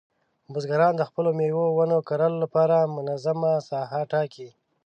بزګران د خپلو مېوې ونو کرلو لپاره منظمه ساحه ټاکله.